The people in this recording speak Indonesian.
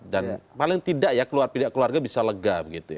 dan paling tidak ya keluarga bisa lega